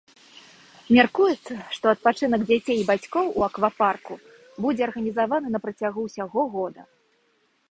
Мяркуецца, што адпачынак дзяцей і бацькоў у аквапарку будзе арганізаваны на працягу ўсяго года.